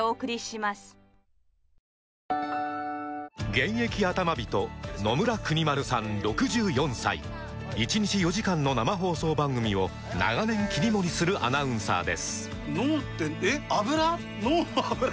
現役アタマ人野村邦丸さん６４歳１日４時間の生放送番組を長年切り盛りするアナウンサーです